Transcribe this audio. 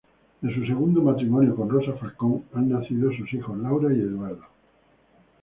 De su segundo matrimonio con Rosa Falcón han nacido sus hijos Laura y Eduardo.